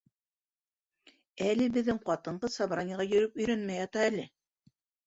Әле беҙҙең ҡатын-ҡыҙ собраниеға йөрөп өйрәнмәй ята әле.